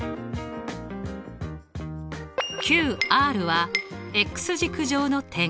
ＱＲは軸上の点。